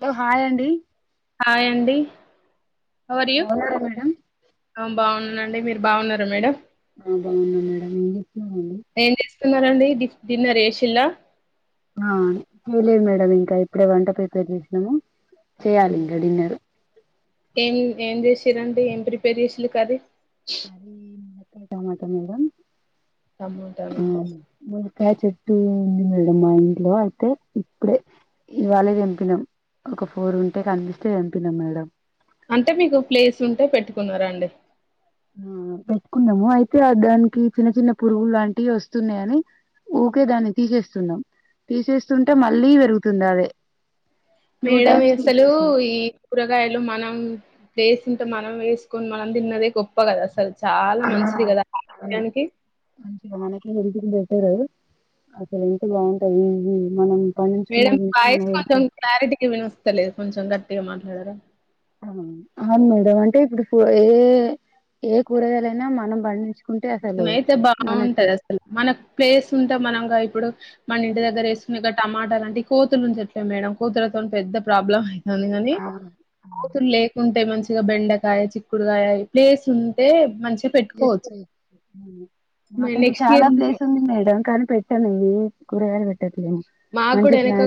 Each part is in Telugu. లో హాయ్ అండి హాయ్ అండి హౌ ఆర్ యు బాగున్నారా మేడం బాగున్నా అవునండి మీరు బాగున్నార మేడం ఆ బాగున్నా మేడం ఏం చెస్తున్నారండి స్తున్నారండి ది డిన్నర్ చేసిల్లా ఆ ఎలేదు మేడం ఇంకా ఇప్పుడే వంట ప్రిపేర్ చేసినాము చేయ్యాలి అవును. ఇంకా డిన్నర్ ఏం ఏం చేసిరండి ఏం ప్రిపేర్ చేసిర్రు కర్రీ కర్రీ టమాట మేడం టమాటానా ఆ ములక్కాయ చె ంది మేడం మా ఇంట్లో అయితే ఇప్పుడే ఇవాళే తెంపినం ఒక ఫోర్ ఉంటే కనిపిస్తే తెంపినం మేడం అంటే మీకు ప్లేస్ ఉంటే పెట్టుకున్నారా అండి ఆ పెట్టుకున్నము, అయితే దానికి చిన్న చిన్న పురుగులు లాంటివి వస్తున్నయి అని ఊకే దాన్ని తీసేస్తున్నాం, తీసేస్తుంటే మళ్ళీ పెరుగుతుంది అదే. టూ మేడం ఇవి టైమ్స్ అసలు తీసేసినాం ఈ కూరగాయలు మనం [inaudible] అంటే మనం వేసుకొని మనం తిన్నదే గొప్ప కదా అసలు. చాలా ఆ మంచిది కదా ఆరోగ్యానికి. హెల్తుకి బెటర్. అసలు హెల్త్ బావుంటది ఇది మనం మేడం పండించుకునేది తింటే మన వాయస్ హెల్త్ కొంచెం క్లారిటీగా వినిపిస్తలేదు. కొంచెం గట్టిగా మాట్లాడారా. అవును మేడం అంటే ఇప్పుడు ఏ ఏ కూరగాయలైనా మనం పండించు అయితే బావుంటది అసలు మనకు ప్లేస్ ఉంటే మనంగా ఇప్పుడు మన ఇంటి దగ్గర వేసుకునే టమాటాలు అని ది కోతులు ఉంటే ఎట్ల మేడం కోతులతోని పెద్ద ప్రాబ్లం అయి తంది గాని కోతులు లేకుంటే మంచి గా బెండకాయ, చిక్కుడుకాయ ప్లేస్ ఉంటే మంచి జస్ట్ పెట్టుకోవచ్చు. మరి మాకైతే నెక్స్ట్ చాలా ఇయర్ ప్లేస్ ఉంది మేడం. కానీ పెట్టను ఏయి కూరగాయలు పె మాకు కూడా వెనక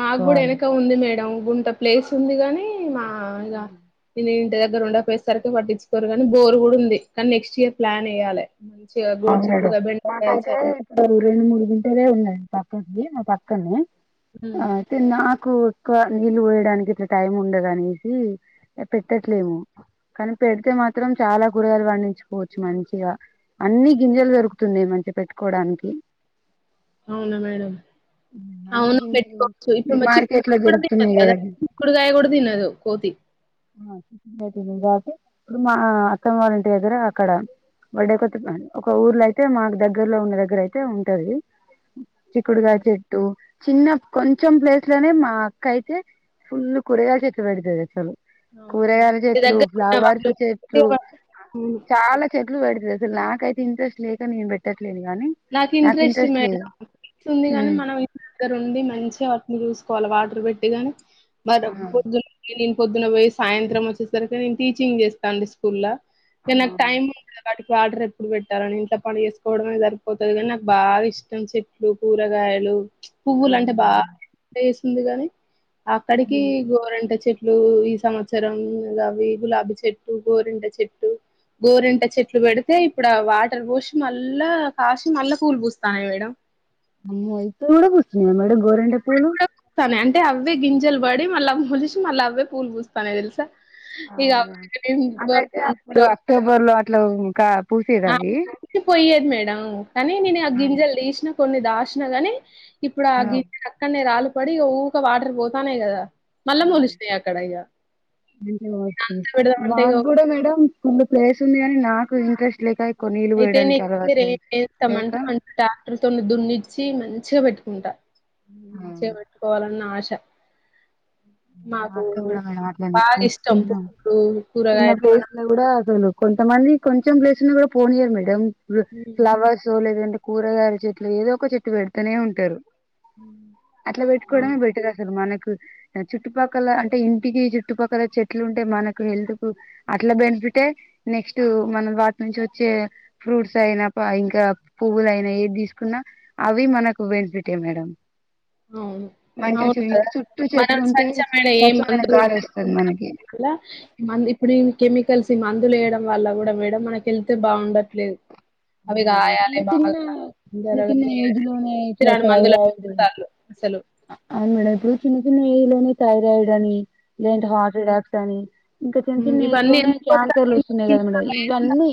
మాకు కూడా వెనక ఉంది మేడం గుంట ప్లేస్ ఉంది గాని మా ఇగా ఇంటి ద దగ్గరా ఉండక పోయేసరికి పట్టించుకోరు కానీ బోర్ కూడా ఉంది. కానీ నెక్స్ట్ ఇయర్ ప్లాన్ ఎయ్యాలే. మంచిగా గోరు అవును మేడం చిక్కుడుకాయ బెండకాయ మాకైతే చ ఇప్పుడు రెండు మూడు గుంటలే ఉన్నయి. పక్కది మా పక్కన్నే. హ్మ్. అయితే నా ఎక్కువ ఎక్కువ నీళ్ళు పోయడానికి ఇట్లా టైం ఉండదనేసి పెట్టట్లేము. కానీ పెడితే మాత్రం చాలా కూరగాయలు పండించుకోవచ్చు మంచిగా. అన్ని గింజలు దొరుకుతున్నయి మంచిగా పెట్టుకోవడానికి. అవునా మేడం అన్ని అవును గింజలు పెట్టుకోవచ్చు ఇప్పుడు మ చి [inaudible] మార్కెట్ లో కూడా తినదు దొరుకుతున్నాయి కదా కదండి చిక్కుడుకాయ కూడా తినదు కోతి. [inaudible] ఇప్పుడు మా అత్తమ్మవారింటి దగ్గరా అక్కడా బర్డె కొ ఒక ఊర్లో అయితే మాకు దగ్గరలో ఉన్న దగ్గర అయితే ఉంటది. చిక్కుడుగాయ హ్మ్. చెట్టు చిన్నగా కొంచెం ప్లేస్ లోనే మా అక్క అయితే ఫుల్ కూరగాయలు చెట్లు పెడుతది అసలు. అవును మేడం. కూరగాయల ఇంటి చెట్లు, దగ్గర ఉన్న ఫ్లవర్స్ వాళ్ళు చెట్లు అవును. చాలా చె [unintelligible] పెడతది. నాకు అయితే ఇంట్రెస్ట్ లేక నేను బెట్ట నాకు ఇంట్రెస్ట్ మేడం ఉంది కాని ఉమ్ మనం ఇంటి దగ్గర ఉండి మంచిగా వాటిని చూసి కొల వాటర్ పెట్టి మదు ఆ [unintelligible] పొద్దున పోయి సాయంత్రం వచ్చేసరికి నేను టీచింగ్ చేస్తా అండి స్కూల్ లో ఇక నాకు టైమ్ ఉండదు మేడం వాటర్ ఎప్పుడు పెట్టాలని ఇంట్లో పని చేసుకోవడమే జరి పోతాది కానీ నాకు బాగా ఇష్టం చెట్లు కూరగాయలు పువ్వులు అంటే అవునా బాగా ఇల్లు గాని అక్కడికి గోరింట చెట్లు చెట్లు ఈ సంవత్సరం అవి గులాబీ చెట్టు గోరింట చెట్టు గోరింట చెట్లు పెడితే ఇప్పుడు ఆ వాటర్ పోసి మళ్ళా కాశీ మల్ల పూలు పూస్తాన్నాయి మేడం మీవి అయిపొయిన కూడ పుస్తున్నాయ మేడం గోరండ పూలు పూస్తాన్నాయి అంటే అవ్వే గింజలు పడి మళ్ళా మొలిసి మళ్ళ అవే పూలు పూస్తున్నాయి తెలుసా ఇగ అట్టాయితే అప్పుడు అక్టోబర్ లో అట్లావ్ ఇంకాక్ పూసెదా అది డవ్ కాని నేను గింజాల్ తీసినా కొన్ని దాసిన గాని ఇప్పుడు ఆ గింజలు అక్కడనే రాల పడి ఇంక వాటర్ పోతాన్నాయ్ కదా మళ్ళా మూలిసినాయి అక్కడ యిగ అంటే ఓకే ఇగ మాకు కూడా మేడం ఫుల్ ప్లేస్ ఉంది కాని నాకు ఇంట్రెస్ట్ లేక ఎక్కువ నీళ్ళు అయితే పోయడానికి అలవాట్లేదు నేస్తామంట లేక [unintelligible] మంచి ట్రాక్టర్తో దున్నిచ్చి మంచి మంచిగా పెట్టుకుంటా ఆ! మంచిగా పెట్టుకోవాలని ఆశ ట మా అక్క కూడా మేడం అట్లనే ఇష్టం చిన్న పువ్వులు, చిన్న కూరగాయలు ప్లేస్ మనం ను కూడా వదలదు కొంతమంది కొంచెం ప్లేసు ని కూడా పోనియ్యరు మేడం హ్మ్. ఫ్లవర్స్ లేదంటే కూరగాయల చెట్లు ఏదో ఒక చెట్టు పెడుతూనే ఉంటారు హ్మ్. అట్లా అవును. పెట్టుకోవడమే బెటర్ అసలు మనకి స [inaudible] చుట్టుపక్కల అంటే ఇంటికి చుట్టుపక్కల చెట్లు ఉంటే మనకు హెల్త్ కు అట్లా బెనిఫిటే నెక్స్ట్ మనం వాటి నుంచి వచ్చే ఫ్రూట్స్ అయినా ఇంకా పువ్వుల అయినా ఏది తీసుకున్నా అవి మనకు బెనిఫిటే మేడం మంచిచి చుట్టూ చె స్వచ్మ ఏ మందు మనకి కొట్టకుండా మందు ఇప్పుడు కెమి కలిసి మందులు వేయడం వల్ల కూడా మేడం మనకి హెల్త్ బాగుండట్లేదు చిన్న చిన్న చిన్న తొందరగా చిన్న ఏజ్ చేయాలని లోనే పిరాని ఇట్లట్లా మందులే అయ్యారు కొడతాళ్ళు అసలు. అవును మేడం ఇప్పుడు చిన్న చిన్న ఏజ్ లోని థైరాయిడ్ అని లేంటే హ్మ్. హార్ట్ అటాక్ కాని ఇవన్నీ ఎందుకు కదా మేడం వస్తున్నాయి ఇవన్నీ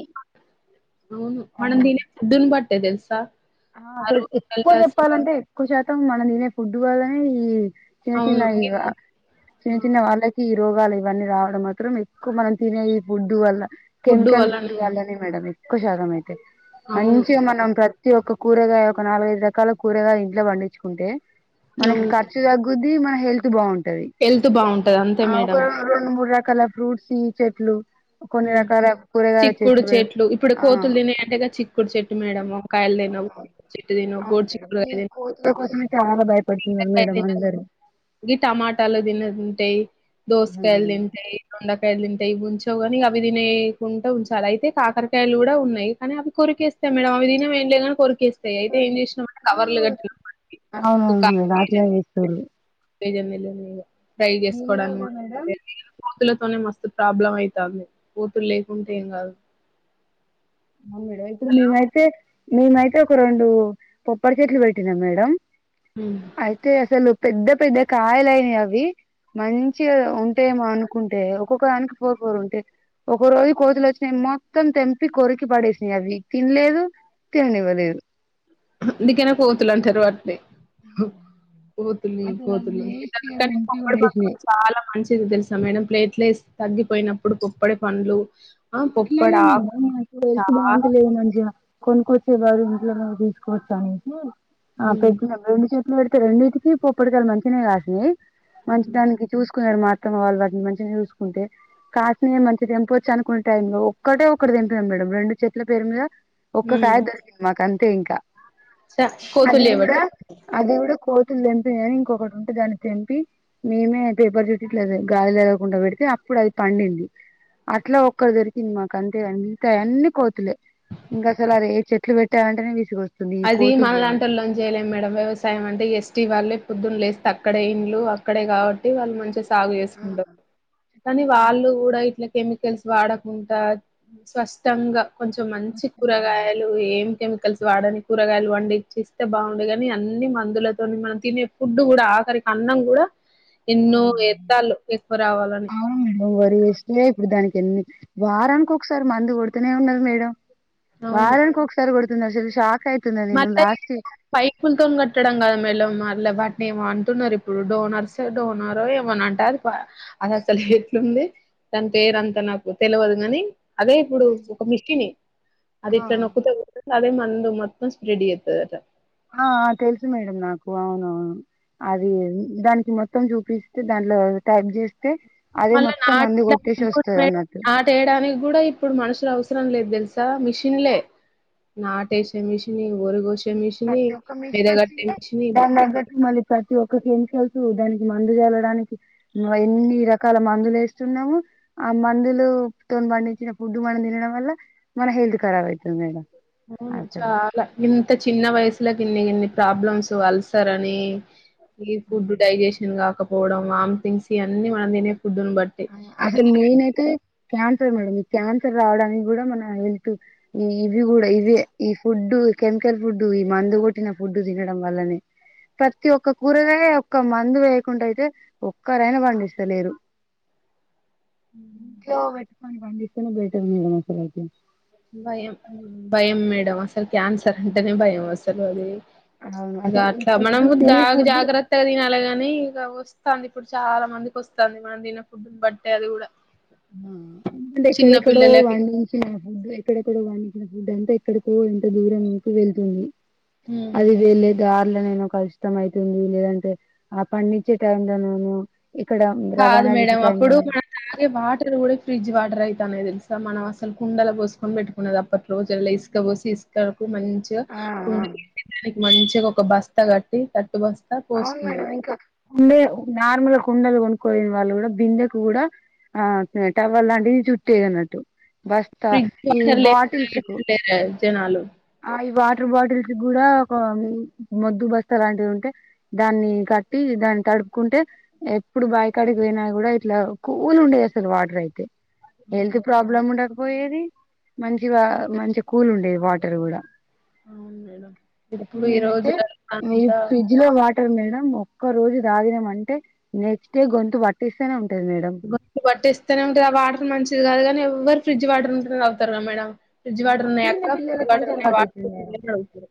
మనం అవును తినే ఫుడ్ని బట్టే తెలుసా ఆ అ ఎక్కువ రోజులల్లో అసలు చెప్పాలంటే ఎక్కువ శాతం మనం తినే ఫుడ్ వల్లనే ఈ చిన్న చిన్న అవును. ఈ గ గిన్ని చిన్న ఆ! చిన్న వాళ్ళకి రోగాలు ఇవన్నీ రావడం మాత్రం ఎక్కువ మనం తినే ఈ ఫుడ్ వల్ల కెమికల్ ఫుడ్ వళ్ళనే మేడం కు శాతమే అవును. మంచిగా మనం ప్రతి ప్రతి ఒక్క కూరగాయ ఒక నాలుగు ఐదు రకాల కూరగాయలు ఇంట్లో పండించుకుంటే మనకి అవును. ఖర్చు తుగ్గుద్ ది మన హెల్త్ బాగున్ హెల్త్ బాగుంటది అంతే మేడం కలర్ ఫ్రూట్స్ చెట్లు కొన్ని రకాల కూరగాయల చిక్కుడు చెట్లు ఇప్పుడు ఆ కోతులు తినే అంటేగద చిక్కుడు చెట్టు మేడము కాయలు తినవు చెట్టు తినవు అవును గోరు మేడం ఈ చిక్కుడుకాయ కోతుల కోసమే చాలా భయపడుతున్నారు మేడం తినవుకాయలు అందరూ టమాటాలు తినదు తింటే ఏయ్ దోసకాయలు తింటయ్ దొండ కాయలు తింటాయి ఉంచవుగాని అవి తినేయకుండా ఉంచాలి అయితే కాకరకాయలు కూడా ఉన్నాయి కానీ అవి కొరికేస్తాయి మేడం అవి తినవు ఏంలేగాని కొరికేస్తా వాటికి అవును అవును అట్ల చేస్తరు నిజమేలే అదిగా ట్రై చేసుకోడాను కూడా మేడం కోతులు తోనే మస్తు ప్రాబ్లమ్ అయితాంది కోతులు లేకుంటే ఏం కాదు ఆ మేడం ఇప్పుడు మేమైతే మేమైతే ఒక రెండు కొబ్బరి చెట్లు పెట్టినాం మేడం హ్మ్. అయితే అసలు పెద్ద పెద్ద కాయలయినా అవి మంచిగా ఉంటయేమో అనుకుంటే ఒక్కొక్క దానికి ఫోర్ ఫోర్ ఉంటే ఒక రోజు కోతులు వచ్చినయి మొత్తం తెంపి కొరికి పడేసినయి అవి తిన్లేదు తినన్నివ్వలేదు. అందుకేనా కోతులు అంటరు వాటిని కోతుల్ని అసలు అవి కోతులుం వేస్ట్ గా కానీ తెంపి పొప్పాడి పండు పడేసినాయి చాలా మంచిది తెల్సా మేడం అట్లే తగ్గిపోయినప్పుడు పుప్పొడి పండ్లు ఆ అట్లనే [unintelligible] ఇప్పుడు హెల్త్ చాలా బాగుంటలేదు మంచిగా కొనుక్కొచ్చేవారు ఇంట్లో తీసుకోవచ్చా ఆ హ్మ్. పెట్టిన రెండు చెట్ పెడితే రెండిటికి పోప్పడి కాయలు మంచిగనే కాసినయి హ్మ్. మంచిదానికి చూసుకున్నారు మా అత్తమ్మ వాళ్ళు వాటిని మంచిగా చూసుకుంటే కాసినయి మంచిగ తెంపవచ్చు అనుకు టైంలో ఒక్కటే ఒకటి తెంపినం మేడం రెండు చెట్ల పేరు మీద ఒక్క హ్మ్. కాయ దొరికింది మాక్ అం తెే ఇంకా చ అది కోతులు గుడా చేపట్టాయి. అది గుడా కో తెంపింది కానీ ఇంకొకటి ఉంటే దాన్ని తెంపి మేమే పేపర్ చుట్టి గాలి తలగకుండా పెడితే అప్పుడు అది పండింది అట్లా ఒక్కట్ దొరికింది మాక్ అంతే మిగతా అన్ని కోతులే ఇంకా అసల్ అదే ఏ చెట్లు పెట్టాలంటేనే విసుకొస్ అది మనలాంటోల్లం చేయలేం మేడం వ్యవసాయం అంటే ఎస్టీ వాళ్ళే పొద్దున్న లేస్తే అక్కడే ఇండ్లు అక్కడే కాబట్టి వాళ్ళు మంచిగా సాగు చేస్కుంటరు కానీ వాళ్ళు గుడా ఇట్లా కెమికల్స్ వాడకుండా స్వష్టంగా కొంచెం మంచి కూరగాయలు ఏం కెమికల్స్ వాడని కూరగాయలు వండిచ్చిస్తే బాగుండు గనీ అన్ని మందులతోని మనం తినే ఫుడ్ గుడ ఆఖరికి అన్నం గుడ రావాలని అవును వరి చేస్తే ఇప్పుడు దానికి ఎన్ని వారానికోకసారి మందు గొడ్ తనే ఉన్నది మేడం. అవును వారన్కి ఒకసారి కొడుత షా మళ్ళ పైపుల్తోన్ కట్టడం గాదు మేడం మళ్ళ బట్ నేమో అంటున్నారు ఇప్పుడు డోనర్స్ డోనరో ఏమని అంట అది అసల్ ఎట్లుంది దాని పేరు అంత నాకు తెలవదు గని అదే ఇప్పుడు ఒక మిషిని అది ఇట్లా ఆ నొక్కుతే అదే మందు మ స్పేడ్ చేస్తాదట. ఆ తెలుసు మేడం నాకు అవునవును. అది దానికి మొ త్తం చూపిస్తే దాంట్లో టైప్ చేస్ తే అదే మళ్ళా మొత్తం మందు కొట్టేసి నాటడానికి వస్తాది మే అన్నట్టు నాటేయడానికి కూడా ఇప్పుడు మనుషులు అవసరం లేదు థెల్సా మిషన్లే, నాటేసే మిషని గోరు కొస్ ప్రతి ఒక్క మిషన్ వచ్చింది దాని దగ్గర మళ్ళి త ప్రతి ఒక్క కిన్ కెల్తు దానికి మందు జల్లడానికి మ ఎన్నిరకాల మ మందులు ఏస్తున్నాము, ఆ మందులు తొన్ పండించిన ఫుడ్ మనం తినడం వల్ల మన హెల్త్ ఖరాబ్ అయితుంది మేడ అవును చాలా ఇంత చిన్న వయస్ స్ లకు ఈన్ని ఈన్ని ప్రాబ్లమ్స్ అల్సర్ అని ఇ ఫుడ్ డైజెషన్ కాకపోవడం వామ్తింగ్స్ ఇయన్నీ మనం తినే ఫుడ్డును బట్టి. ఆ అసల్ మెయిన్ ఐతే క్యాన్సర్ మేడం ఇ క్యాన్సర్ రావడానికి కూడా మన హెల్త్, ఈ ఇవి కూడా ఇవి ఈ ఫుడ్డు కెమికల్ ఫుడ్డు, ఈ మందు కొట్టిన ఫుడ్ తినడం వల్లనే, ప్రతి ఒక్క కూరగాయ ఒక్క మందు వేయకుండా అయితే ఒక్కరైనా పండిస్తలేరు. ఇంట్లో పేట్కొని పండి తేనే బెటర్ మేడం అసలైతే భయం భయం మేడం అ‌స్ స్సల్ క్యాన్సర్ అంటేనే భయం అసలు అదే అవును ఇగ అసలు ఈ అట్లా మనం ఫుడ్ తినే జాగ్ ఫుడ్ జాగ్రత్తగా తినాలిగాని ఇక ఆ వస్స్ స్తాంది ఇప్పుడు చాలా మందికి వస్తాంది, మనం దిన్న ఫుడ్డును బట్టే అది కూడా హా, అంటే చిన్న ఏక్కడేక్కడో పిల్లలకి వన్నించినా పుడ్డ్ ఎ ఎక్కడేకడో వన్నించిన ఫుడ్ అంతా ఎక్కడకో ఎంత దూరంకి వెళ్తుంది. అలివేల్లే దా పిల్లలేమో కల్షితం అయితుంది, లేదంటే అప్పన్నుంచి టైమ్ దెనను. కాదు మేడం అప్పుడు మనం తాగే వాటర్ కూడా ఇ ఫ్రిడ్జ్ వాటర్ అయ్ తానై తెల్సా మనం అసలు కుండల పోసుకొని పెట్టుక్కునేది, అప్పట్ రోజులయ్ ఇసుక పోసి ఇసుకలో కు మంచిగా ఆ కుండ ఆ తీసి పెరయ్. మంచిగా ఒక బస్తా కట్టి తడ్ అవును మేడం ఇంకా, కుండే ఒ నార్మల్ కుండలు కొన్ కోయిన వాళ్ళు కూడా బిందెకు కూడా, ఆ టవల్ లాంటిది చుట్టే అన్నట్టు బస్తా ఫ్రిజ్డ్ ఈ వాటర్ లే బాటిల్స్ కు న లేరు జనాలు ఆ ఈ వాటర్ బాటిల్స్ కూడా ఒక మొద్దు బస్తా లాంటివి ఉంటే దాన్ని కట్టి దాన్ని తడుపుకుంటే ఎప్పుడు బాయకాడికి పోయినా కూడా ఇట్లా కూల్ ఉండేది అసలు వాటర్ ఐతే హెల్త్ ప్రాబ్లమ్ ఉండద్. పోయేది, మంచిగా మంచి కూల్ ఉండేవి వాట్ ర్ ఉడ అవును మేడం ఇప్పు ఇప్పుడు ఈ మేమైతే రోజు మీ అంతా ఫ్రిజ్ లో వా అంటె మేడం ఒక్క రోజు తాగినం అంటే నెక్స్ట్ డే గొంతు పట్టిస్తనే ఉన్ గొంతు పట్టేస్తనే ఉంటది అ వాటర్ మంచిది గాదు అని ఎవ్ ఎవ్వరు ఫ్రిడ్జ్ వాటర్ ఇంట్లో నె తాగుతారు కదా మేడమ్ ఫ్రిడ్జ్ వాటర్ ఉన్నాయ చిన్న అక్క పిల్లల ఫ్రిడ్జ్ కంచి వాటర్ లేవా అలవాటు అయితుంది అనుకుంటూ తిరు [inaudible] రు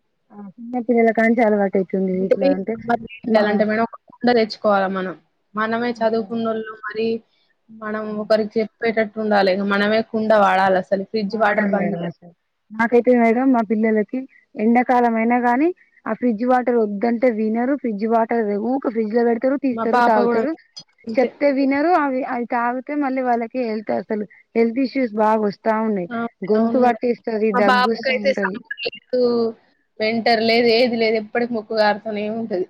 కాని చాలా వాట్ [inaudible] ఎలాంటే మేడం ఒక కుండ తెచ్చుకోవాల మనం మనమే చదువుకున్నోళ్ళు మరి మనం ఒకరికి చెప్పెటట్ ఉండాలె ఇగ మనమే కుండ వాడాలె అస్ మాకైతే మేడం మా పిల్లలకి ఎండాకాలం అయినా కాని ఆ ఫ్రిడ్జ్ వాటర్ వద్దంటే వినరు ఫ్రిడ్జ్ వాటర్ ఎ ఊక ఫ్రిడ్జ్ లో పెడ్ తరు మా తీస్తరు పాప కూడా తాగుతరు. అంతే చెప్తే వినరు అవి అయి తాగితే మళ్ళీ వాళ్ళకి హెల్త్ అసలు హెల్త్ ఇష్యూస్ బాగ వస్ అ అవును మా దగ్గొస్తా బాబుకయితే ఉంటది సమ్మర్ లేదు వింటర్ లేదు ఏ ది లేదు ఎప్పటికి మొక్కు కారుతనే ఉంటది.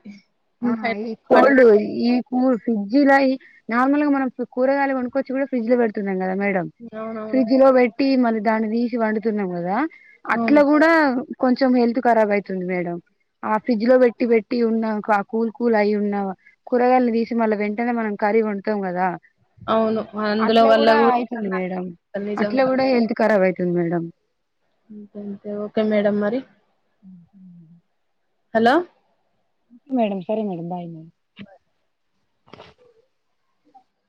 ఆ ఇంకా ఈ వాటర్ కోల్డ్ ఈ కూ ఫ్రిడ్జ్ లయి నార్మల్ గా మనం కూరగాయలు కొనుకొచ్చి కూడా ఫ్రిడ్జ్ లో పెడుతున్ న్నాం కద మేడం అవునవును ఫ్రిడ్జ్ లో బెట్ ట్టి మళ్ దాన్ని తీసి వండుతున్నాం కదా! అట్ల అవును కూడా కొంచెం హెల్త్ కరాబ్ అయితుంది మేడం. ఆ ఫ్రిడ్జ్ లో పెట్టి పెట్టి ఉన్నా కా కూల్ కూల్ అయి ఉన్న కూరగాయలను తీసి మళ్ళ వెంటనే మనం కర్రీ వండుతాం కదా అవును అందులో అట్ల వల్ల కూడా అయితుంది మేడం అట్లా నిజంగా కూడా హెల్త్ కరాబ్ అయిత్ తుంది మేడం అంతె అంతె ఓకె మేడం మరి [unintelligible] హలో మేడం సరే మేడం బాయి మే బాయ్